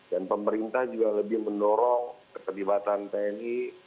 dan pemerintah juga lebih mendorong kesetibatan tni